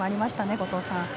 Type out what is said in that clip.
後藤さん。